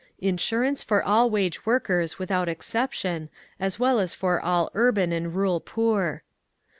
Insurance for all wage workers without exception, as well as for all urban and rural poor.